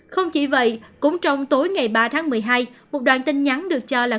không chỉ vậy cũng trong tối ngày ba tháng một mươi hai một đoàn tin nhắn được cho là